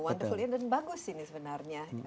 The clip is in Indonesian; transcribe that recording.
wonderful ini dan bagus ini sebenarnya